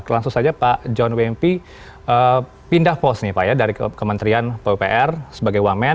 langsung saja pak john wmp pindah pos nih pak ya dari kementerian popr sebagai one man